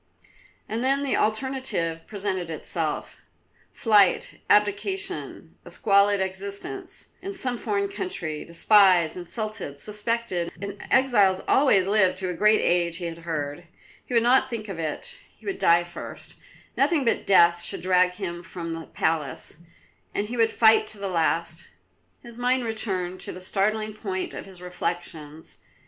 And then the alternative presented itself; flight, abdication, a squalid existence in some foreign country, despised, insulted, suspected; and exiles always lived to a great age he had heard. He would not think of it; he would die first; nothing but death should drag him from the palace, and he would fight to the last. His mind returned to the starting point of his reflections.